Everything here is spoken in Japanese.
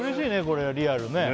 これリアルね